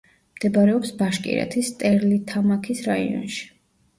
მდებარეობს ბაშკირეთის სტერლითამაქის რაიონში.